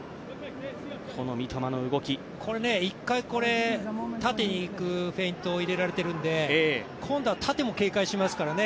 一回縦にいくフェイントを入れられているので今度は縦も警戒しますからね